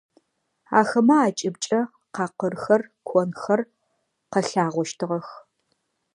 Ахэмэ акӏыбкӏэ къакъырхэр, конхэр къэлъагъощтыгъэх.